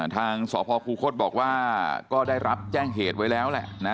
ทางสพคูคศบอกว่าก็ได้รับแจ้งเหตุไว้แล้วแหละนะ